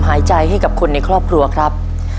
หายใจให้กับคนในครอบครัวครับ